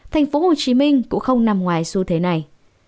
tp hcm cũng không nằm ngoài xu thế này